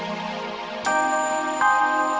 oh kirain mau ditemenin